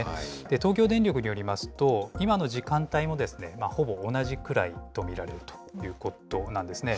東京電力によりますと、今の時間帯も、ほぼ同じくらいと見られるということなんですね。